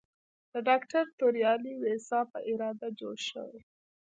د ډاکټر توریالي ویسا په اراده جوړ شوی.